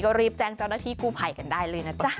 ก็รีบแจ้งเจ้าหน้าที่กู้ภัยกันได้เลยนะจ๊ะ